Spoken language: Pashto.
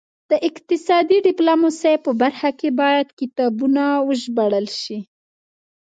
د اقتصادي ډیپلوماسي په برخه کې باید کتابونه وژباړل شي